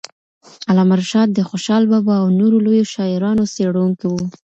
علامه رشاد د خوشال بابا او نورو لویو شاعرانو څېړونکی وو.